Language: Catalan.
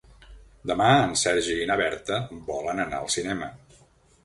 Demà en Sergi i na Berta volen anar al cinema.